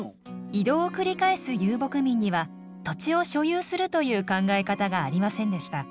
移動を繰り返す遊牧民には土地を所有するという考え方がありませんでした。